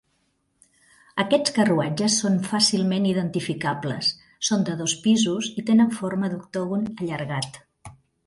Aquests carruatges són fàcilment identificables: són de dos pisos i tenen forma d'octògon allargat.